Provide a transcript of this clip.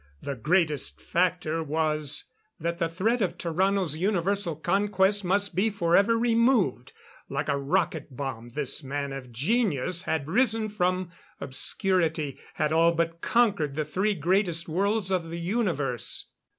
The greatest factor was that the threat of Tarrano's universal conquest must be forever removed. Like a rocket bomb, this man of genius had risen from obscurity had all but conquered the three greatest worlds of the universe.